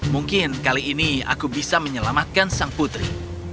mungkin kali ini aku bisa menyelamatkan sang putri